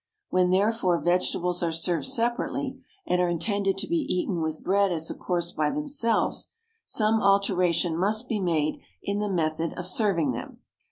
When therefore vegetables are served separately, and are intended to be eaten with bread as a course by themselves, some alteration must be made in the method of serving them.